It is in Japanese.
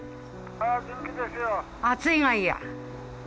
暑いがいや？